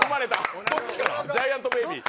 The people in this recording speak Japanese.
ジャイアントベイビー。